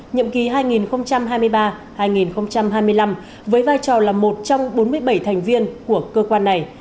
nhiệm kỳ hai nghìn hai mươi ba hai nghìn hai mươi năm với vai trò là một trong bốn mươi bảy thành viên của cơ quan này